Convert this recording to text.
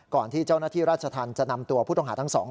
ที่เจ้าหน้าที่ราชธรรมจะนำตัวผู้ต้องหาทั้งสองคน